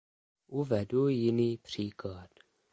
Uvedu jiný příklad.